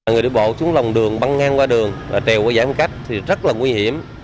người đi bộ xuống lòng đường băng ngang qua đường trèo qua giãn cách thì rất là nguy hiểm